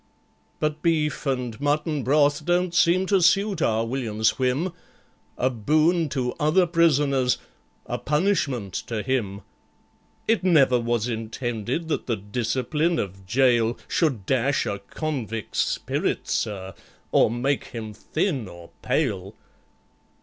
"But beef and mutton broth don't seem to suit our WILLIAM'S whim, A boon to other prisoners—a punishment to him. It never was intended that the discipline of gaol Should dash a convict's spirits, sir, or make him thin or pale."